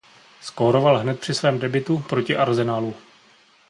Skóroval hned při svém debutu proti Arsenalu.